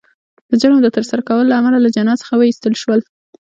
د جرم د ترسره کولو له امله له جنت څخه وایستل شول